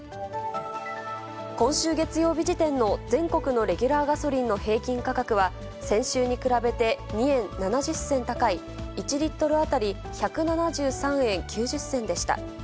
今週月曜日時点の全国のレギュラーガソリンの平均価格は、先週に比べて２円７０銭高い、１リットル当たり１７３円９０銭でした。